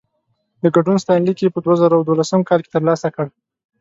د ګډون ستاینلیک يې په دوه زره دولسم کال کې ترلاسه کړ.